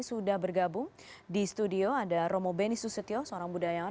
sudah bergabung di studio ada romo beni susetio seorang budayawan